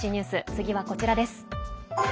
次はこちらです。